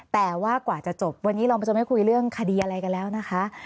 แต่ว่ากว่าจะจบวันนี้เราจะไม่คุยเรื่องคดีอะไรกันแล้วนะคะ